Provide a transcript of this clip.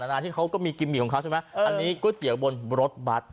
นาที่เขาก็มีกิมมิของเขาใช่ไหมอันนี้ก๋วยเตี๋ยวบนรถบัตร